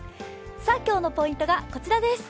今日のポイントがこちらです。